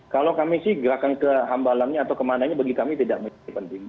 kalau kami sih gerakan ke hambalamnya atau ke mananya bagi kami tidak penting